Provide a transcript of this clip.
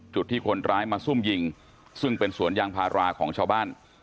จุดที่คนร้ายมาซุ่มยิงซึ่งเป็นสวนยางพาราของชาวบ้าน